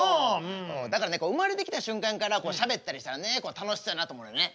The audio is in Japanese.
だからね生まれてきた瞬間からしゃべったりしたらね楽しそうやなと思うのよね。